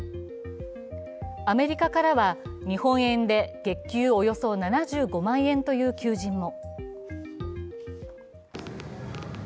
アメリカからは、日本円で月給およそ７５万円という求人も。